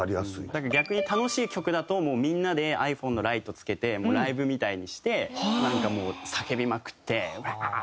なんか逆に楽しい曲だともうみんなでｉＰｈｏｎｅのライトつけてもうライブみたいにしてなんかもう叫びまくってうわー！